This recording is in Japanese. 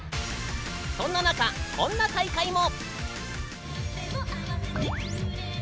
そんな中こんな大会も！